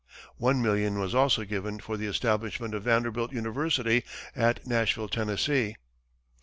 One million was also given for the establishment of Vanderbilt University at Nashville, Tennessee.